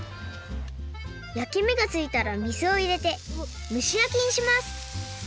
やきめがついたら水をいれてむしやきにします